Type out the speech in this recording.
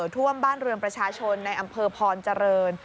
ท่วมบ้านเรือนประชาชนในอำเภอพรเจริญ